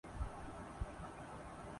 اداکارہ شمیم ارا انتقال کرگئیں